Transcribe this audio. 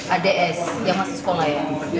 ads yang masih sekolah ya